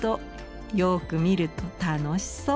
よく見ると楽しそう。